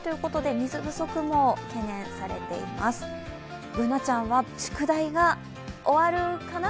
Ｂｏｏｎａちゃんは宿題が終わるかな？